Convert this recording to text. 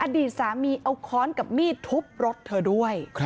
อดีตสามีเอาค้อนกับมีดทุบรถเธอด้วย